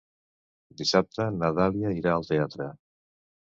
Dissabte na Dàlia irà al teatre.